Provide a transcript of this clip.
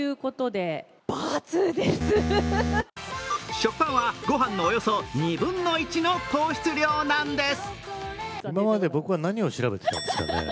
食パンはご飯のおよそ２分の１の糖質量なんです。